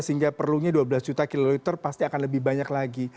sehingga perlunya dua belas juta kiloliter pasti akan lebih banyak lagi